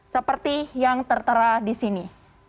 seperti yang tertera di sini